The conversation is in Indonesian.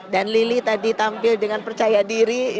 dan lili tadi tampil dengan percaya diri